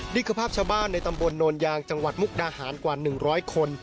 นี่คือภาพชาวบ้านในตำบลโนนยางจังหวัดมุกดาหารกว่า๑๐๐คน